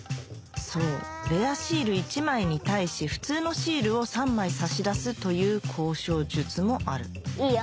そうレアシール１枚に対し普通のシールを３枚差し出すという交渉術もあるいいよ。